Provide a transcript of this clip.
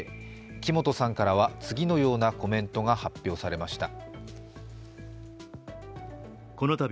木本さんからは次のようなコメントが発表されました。